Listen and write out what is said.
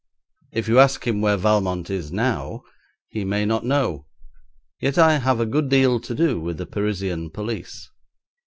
If you ask him where Valmont is now, he may not know, yet I have a good deal to do with the Parisian police.